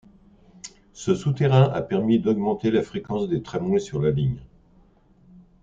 Ce souterrain a permis d'augmenter la fréquence des tramways sur la ligne.